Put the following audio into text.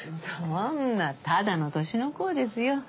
そんなただの年の功ですよ。